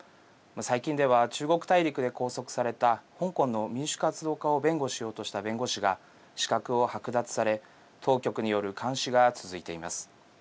最近では、中国大陸で拘束された香港の民主活動家を弁護しようとした弁護士が資格を剥奪され当局による監視が続いています。